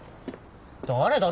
誰だ？